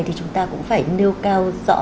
thì chúng ta cũng phải nêu cao rõ